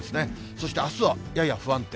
そしてあすはやや不安定。